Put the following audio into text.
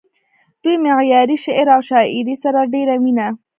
دوي معياري شعر و شاعرۍ سره ډېره مينه